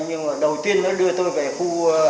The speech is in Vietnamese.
nhưng mà đầu tiên nó đưa tôi về khu